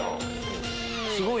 すごい！